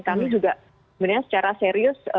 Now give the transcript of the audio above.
kami juga sebenarnya secara serius